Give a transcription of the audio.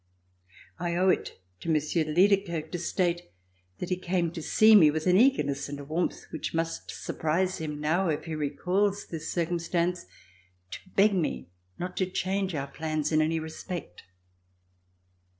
I owe it to Mon sieur de Liedekerke, to state that he came to see me with an eagerness and a warmth which must surprise him now, if he recalls this circumstance, to beg me not to change our plans in any respect.